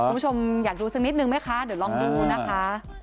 คุณผู้ชมอยากดูสักนิดนึงไหมคะเดี๋ยวลองดูนะคะ